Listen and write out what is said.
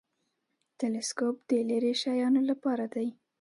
تلسکوپ د لیرې شیانو لپاره دی